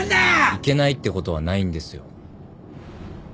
いけないってことはないんですよ。